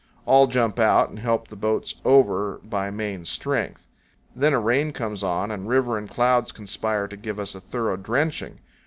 All jump out and help the boats over by main strength. Then a rain comes on, and river and clouds conspire to give us a thorough drenching.